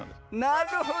なるほど。